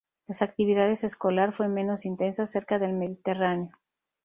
La actividad escolar fue menos intensa cerca del Mediterráneo.